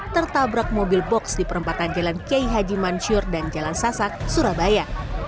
tertabrak mobil box di perempatan jalan kiai haji mansur dan jalan sasak surabaya